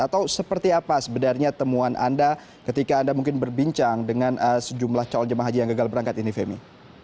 atau seperti apa sebenarnya temuan anda ketika anda mungkin berbincang dengan sejumlah calon jemaah haji yang gagal berangkat ini femi